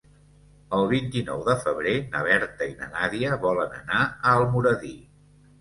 El vint-i-nou de febrer na Berta i na Nàdia volen anar a Almoradí.